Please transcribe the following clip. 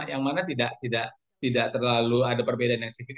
yang mana tidak terlalu ada perbedaan yang sifat